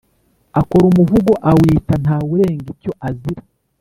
akora umuvugo awita ntawurenga icyo azira.